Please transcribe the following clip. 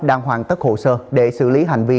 đang hoàn tất hồ sơ để xử lý hành vi